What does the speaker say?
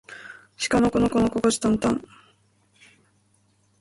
しかのこのこのここしたんたん